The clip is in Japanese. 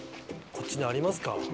こっちにありますか？